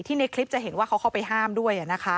ในคลิปจะเห็นว่าเขาเข้าไปห้ามด้วย